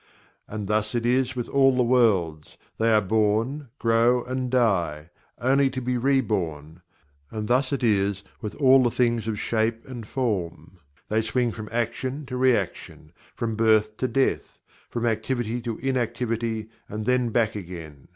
And thus it is with all the worlds; they are born, grow and die; only to be reborn. And thus it is with all the things of shape and form; they swing from action to reaction; from birth to death; from activity to inactivity and then back again.